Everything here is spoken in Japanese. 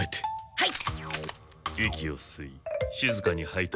はい。